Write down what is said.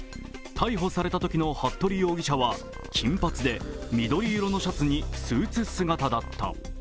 逮捕されたときの服部容疑者は、金髪で緑色のシャツにスーツ姿だった。